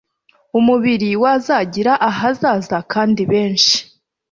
umubiri wazagira ahazaza kandi benshi